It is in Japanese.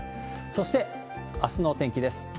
そして、あすのお天気です。